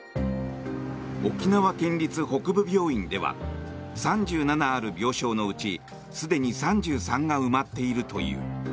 沖縄県立北部病院では３７ある病床のうちすでに３３が埋まっているという。